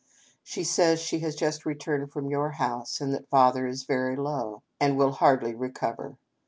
She says she has just returned from your house ; and that Father is very low, and will hardly re cover.